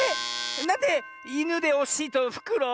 なんでイヌでおしいとフクロウ？